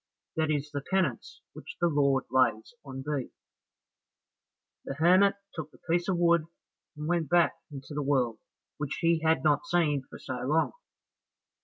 That is the penance which the Lord lays on thee." Then the hermit took the piece of wood, and went back into the world, which he had not seen for so long.